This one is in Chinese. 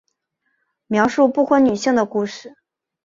描述不婚女性的故事。